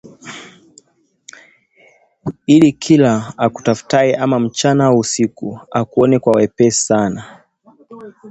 ili kila akutafutaye ama mchana au usiku akuone kwa wepesi sana